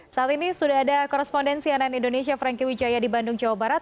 saat ini sudah ada korespondensi ann indonesia franky wijaya di bandung jawa barat